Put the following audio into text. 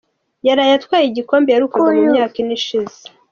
yaraye Atwaye igikombe yaherukaga mu myaka Ine ishize